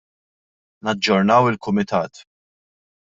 Naġġornaw il-Kumitat.